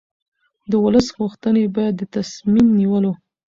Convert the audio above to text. د ولس غوښتنې باید د تصمیم نیولو